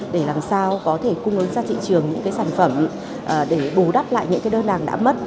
để làm sao có thể cung ứng ra thị trường những sản phẩm để bù đắp lại những đơn đàn đã mất